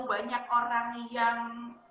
banyak orang yang